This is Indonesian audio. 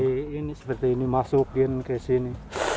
ini seperti ini masukin ke sini